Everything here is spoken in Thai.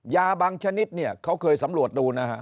ยาบางชนิดเนี่ยเขาเคยสำรวจดูนะฮะ